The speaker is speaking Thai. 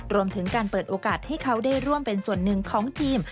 รวมถึงการเปิดโอกาสให้เขาได้ร่วมเป็นส่วนหนึ่งของทีม